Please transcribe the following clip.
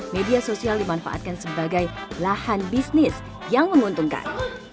media sosial dimanfaatkan sebagai lahan bisnis yang menguntungkan